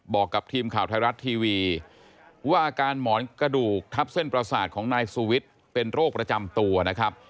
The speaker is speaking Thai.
บอกกับทีมข่าวไทยรัฐทีวีว่าอาการหมอนกระดูกทับเส้นประสาทของนายสุวิทย์เป็นโรคประจำตัวนะครับ